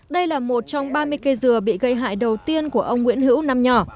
đây là một trong ba mươi cây dừa bị gây hại đầu tiên của ông nguyễn hữu năm nhỏ